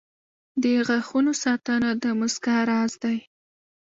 • د غاښونو ساتنه د مسکا راز دی.